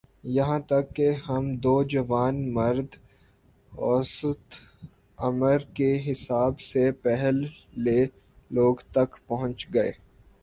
یہاں تک کہہ ہم دو جواںمرد اوسط عمر کے حساب سے پہل لے لوگ تک پہنچ گئے